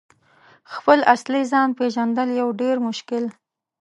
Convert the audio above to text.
» خپل اصلي ځان « پیژندل یو ډیر مشکل